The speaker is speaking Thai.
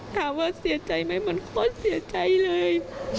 ถามว่าเสียใจไหมมันขอเสียใจเลย